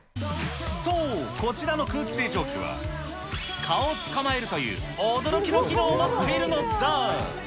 そう、こちらの空気清浄機は、蚊を捕まえるという、驚きの機能を持っているのだ。